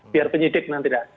biar penyidik nanti ya